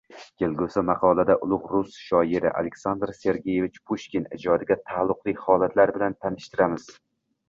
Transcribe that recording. Kelgusi maqolada ulug` rus shoiri Aleksandr Sergeevich Pushkin ijodiga taalluqli holatlar bilan tanishtiramiz